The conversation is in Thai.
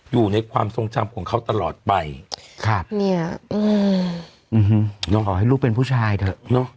อยู่ในความทรงจำของเขาตลอดไปครับเนี่ยอืมน้องขอให้ลูกเป็นผู้ชายเถอะเนอะ